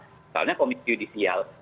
misalnya komisi audisial